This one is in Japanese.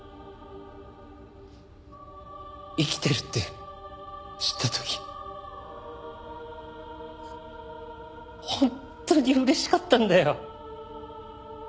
生きてるって知った時本当に嬉しかったんだよ。